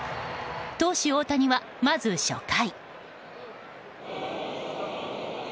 投手・大谷は、まず初回。